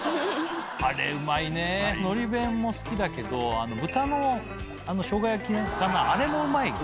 あれうまいねぇのり弁も好きだけど豚の生姜焼きかなあれもうまいよね。